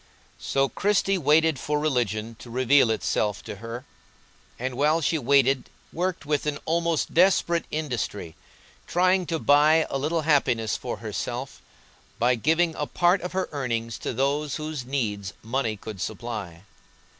So Christie waited for religion to reveal itself to her, and while she waited worked with an almost desperate industry, trying to buy a little happiness for herself by giving a part of her earnings to those whose needs money could supply.